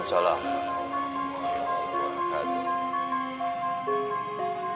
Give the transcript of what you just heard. assalamualaikum warahmatullahi wabarakatuh